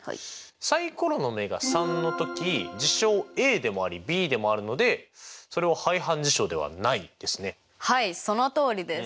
サイコロの目が３の時事象ＡでもありＢでもあるのでそれははいそのとおりです。